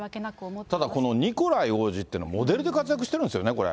ただ、このニコライ王子っていうのは、モデルで活躍してるんですよね、これ。